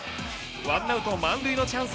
ワンアウト満塁のチャンスで岡本。